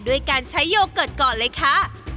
ด้วยการใช้โยเกิร์ตก่อนเลยค่ะ